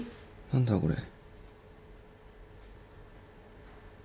何だよこれ。